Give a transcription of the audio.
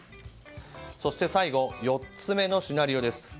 そして、最後４つ目のシナリオです。